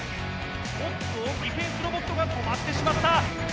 おっとディフェンスロボットが止まってしまった。